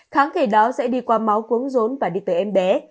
kháng thể đó sẽ đi qua máu quấn rốn và đi tới em bé